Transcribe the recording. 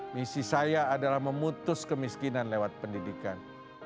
misi saya adalah memutus kemiskinan lewat pendidikan